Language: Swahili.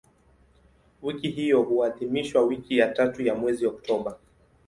Wiki hiyo huadhimishwa wiki ya tatu ya mwezi Oktoba.